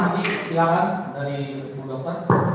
silakan dari bu dokter